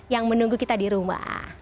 yang menunggu kita di rumah